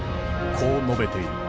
こう述べている。